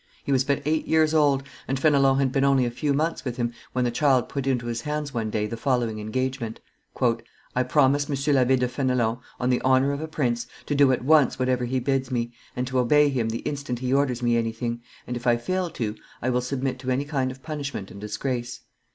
He was but eight years old, and Fenelon had been only a few months with him, when the child put into his hands one day the following engagement: "I promise M. l'Abbe de Fenelon, on the honor of a prince, to do at once whatever he bids me, and to obey him the instant he orders me anything, and, if I fail to, I will submit to any kind of punishment and disgrace."